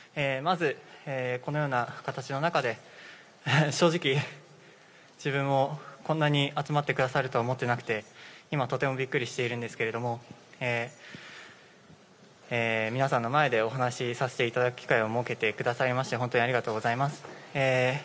まず、このような形の中で、正直、自分もこんなに集まってくださるとは思っていなくて、今、とてもびっくりしているんですけれども、皆さんの前でお話しさせていただく機会を設けてくださいまして、本当にありがとうございます。